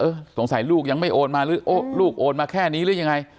สงสัยลูกยังไม่โอนมาหรือลูกโอนมาแค่นี้หรือยังไง